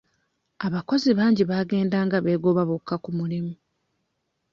Abakozi bangi baagendanga beegoba bokka ku mulimu.